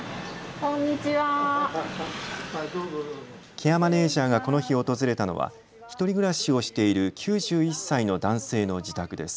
ケアマネージャーがこの日訪れたのは１人暮らしをしている９１歳の男性の自宅です。